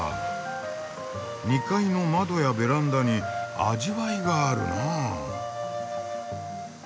２階の窓やベランダに味わいがあるなあ。